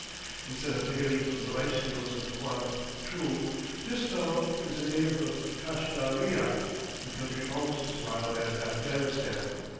Instead of hailing from the rice fields of Quangtung, this fellow is a native of Kashga ria, a country almost as wild as Afghanistan.